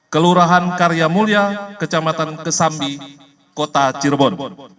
kelurahan karya mulia kecamatan kesambi kota cirebon